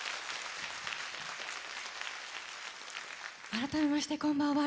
改めまして、こんばんは。